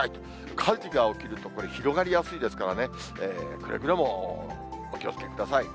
火事が起きると、これ、広がりやすいですからね、くれぐれもお気をつけください。